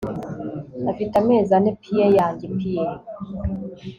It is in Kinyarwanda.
Afite amezi ane pie yanjye pie